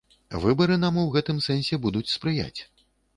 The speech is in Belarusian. Выбары нам у гэтым сэнсе будуць спрыяць.